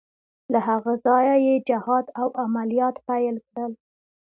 له هغه ځایه یې جهاد او عملیات پیل کړل.